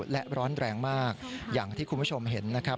และร้อนแรงมากอย่างที่คุณผู้ชมเห็นนะครับ